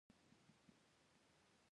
هر ولایت څنګه پرمختګ کوي؟